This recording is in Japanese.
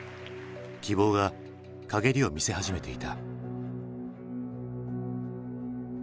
希望が陰りを見せ始めていた。